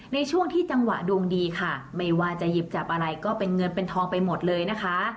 ในช่วงที่จังหวะดวงดีค่ะไม่ว่าจะหยิบจับอะไรก็เป็นเงินเป็นทองไปหมดเลยนะคะ